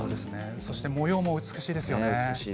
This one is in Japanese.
そして模様も美しいですよね。